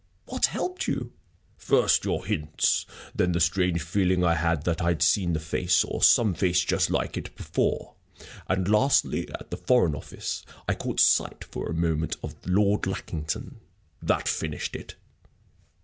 What helped you?" "First your own hints. Then the strange feeling I had that I had seen the face, or some face just like it, before. And, lastly, at the Foreign Office I caught sight, for a moment, of Lord Lackington. That finished it."